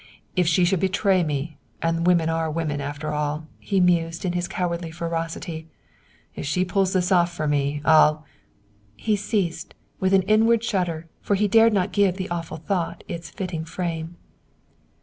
"If she should betray me, and women are women, after all," he mused in his cowardly ferocity. "If she pulls this off for me, I'll" he ceased, with an inward shudder, for he dared not give the awful thought its fitting frame.